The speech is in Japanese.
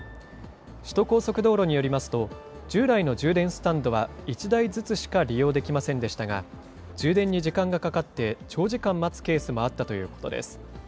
首都高速道路によりますと、従来の充電スタンドは１台ずつしか利用できませんでしたが、充電に時間がかかって、長時間待つケースもあったということです。